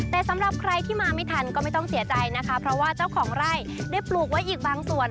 แต่สำหรับใครที่มาไม่ทันก็ไม่ต้องเสียใจนะคะเพราะว่าเจ้าของไร่ได้ปลูกไว้อีกบางส่วน